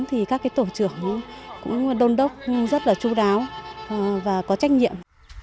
thì các tổ trưởng cũng đôn đốc rất là chú đáo và có trách nhiệm